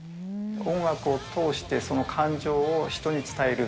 音楽を通して、その感情を人に伝える。